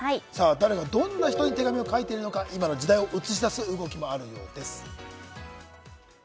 誰がどんな人に手紙を書いているのか、今の時代を映し出す動きもあるようです。